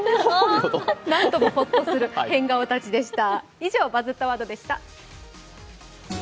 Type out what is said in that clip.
何ともホッとする変顔たちでした。